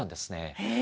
へえ。